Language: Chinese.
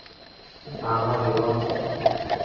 他好奇的过去